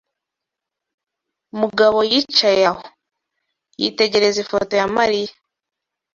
Mugabo yicaye aho, yitegereza ifoto ya Mariya